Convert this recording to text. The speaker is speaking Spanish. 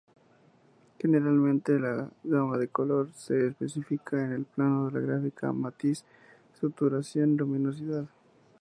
Generalmente, la gama de color se especifica en el plano de la gráfica matiz-saturación-luminosidad.